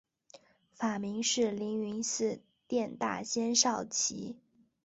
法名是灵云寺殿大仙绍其。